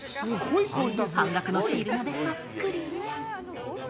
半額のシールまでそっくりに。